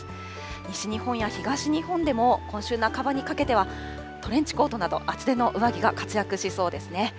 西日本や東日本でも今週半ばにかけては、トレンチコートなど、厚手の上着が活躍しそうですね。